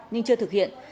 nhưng chưa thực hiện